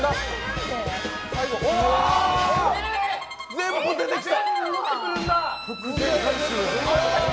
全部出てきた！